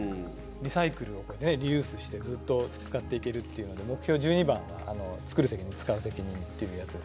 リサイクルをこうねリユースしてずっと使っていけるっていうので目標１２番が作る責任使う責任っていうやつですれけども。